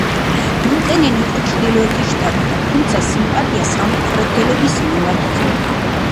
ბიუკენენი იყო ჩრდილოეთის შტატიდან, თუმცა სიმპატია სამხრეთელების მიმართ ჰქონდა.